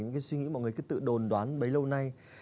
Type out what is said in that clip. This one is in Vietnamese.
những suy nghĩ mọi người cứ tự đồn đoán mấy lâu nay